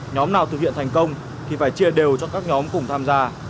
nhóm nào thực hiện thành công thì phải chia đều cho các nhóm cùng tham gia